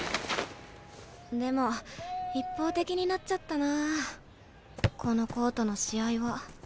でも一方的になっちゃったなこのコートの試合は。